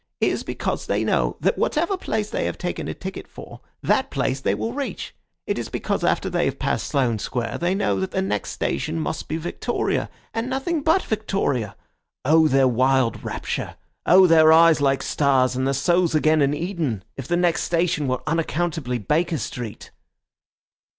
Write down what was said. It is because they know that whatever place they have taken a ticket for that place they will reach. It is because after they have passed Sloane Square they know that the next station must be Victoria, and nothing but Victoria. Oh, their wild rapture! oh, their eyes like stars and their souls again in Eden, if the next station were unaccountably Baker Street!"